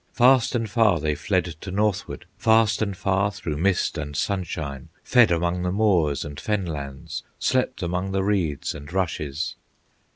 Fast and far they fled to northward, Fast and far through mist and sunshine, Fed among the moors and fen lands, Slept among the reeds and rushes.